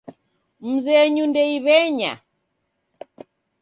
Mzenyu ndeiw'enya.